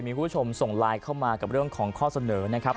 มีคุณผู้ชมส่งไลน์เข้ามากับเรื่องของข้อเสนอนะครับ